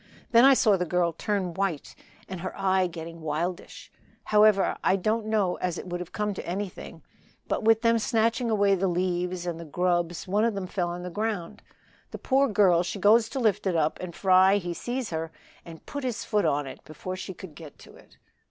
Then I saw the girl turn white and her eye getting wildish; however, I don't know as it would have come to anything, but with them snatching away the leaves and the grubs one of them fell on the ground. The poor girl she goes to lift it up and Fry he sees her and put his foot on it before she could get to it."